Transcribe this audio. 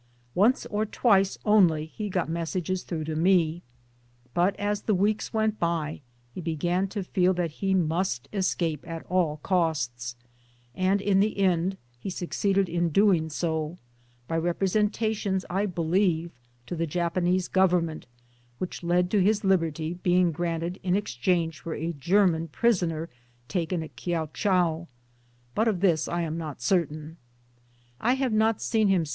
Once or twice only he got messages through to me., But as the weeks went by he began to feel that hfe must escape at all costs ; and in 1 the end he, succeeded in doing soby representations I believe to the Japanese Government, which led to his liberty being granted in exchange for a German prisoner taken at Kiao chowt ; 'but of this I am! not certain.; I have not seen him!